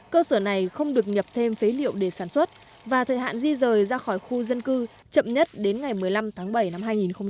cơ sở này không được nhập thêm phế liệu để sản xuất và thời hạn di rời ra khỏi khu dân cư chậm nhất đến ngày một mươi năm tháng bảy năm hai nghìn hai mươi